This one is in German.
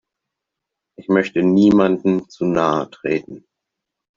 Ich möchte niemandem zu nahe treten.